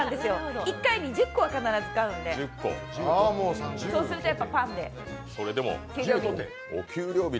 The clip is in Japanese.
１回に１０個は必ず買うんでそうするとやっぱりパンで給料日に。